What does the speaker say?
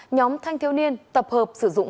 nhóm thanh thiếu niên tập hợp sử dụng